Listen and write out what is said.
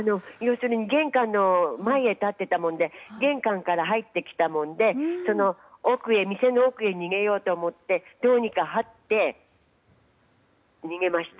玄関の前に立っていたもので玄関から入ってきたもので店の奥へ逃げようと思ってどうにか、はって逃げました。